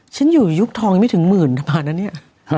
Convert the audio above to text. ฉันอยู่ยุคทองยังไม่ถึงหมื่นประมาณนั้นเนี่ย